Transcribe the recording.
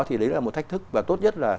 thì đấy là một thách thức và tốt nhất là